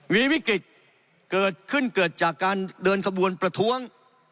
มีวิกฤตเกิดขึ้นเกิดจากการเดินขบวนประท้วง